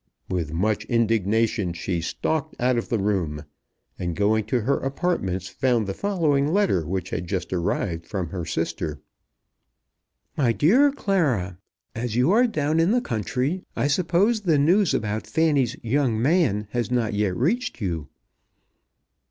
With much indignation she stalked out of the room, and going to her apartments found the following letter, which had just arrived from her sister; MY DEAR CLARA, As you are down in the country, I suppose the news about Fanny's "young man" has not yet reached you.